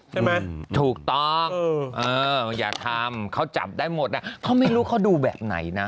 ใช่ไหมถูกต้องเอออย่าทำเขาจับได้หมดน่ะเขาไม่รู้เขาดูแบบไหนน่ะ